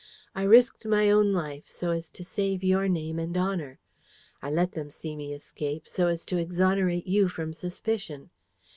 I risked my own life, so as to save your name and honour. I let them see me escape, so as to exonerate you from suspicion.